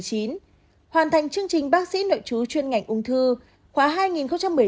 hoàn thành chương trình bác sĩ nội trú chuyên ngành ung thư